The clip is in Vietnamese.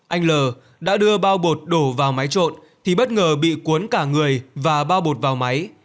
anh l đã đưa bao bột đổ vào máy trộn thì bất ngờ bị cuốn cả người và bao bột vào máy